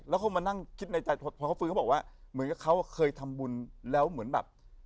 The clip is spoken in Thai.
แล้วเขามานั่งคิดในใจพอเขาฟื้นเขาบอกว่าเหมือนกับเขาเคยทำบุญแล้วเหมือนแบบ